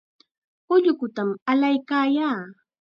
Ullukutam allaykaayaa.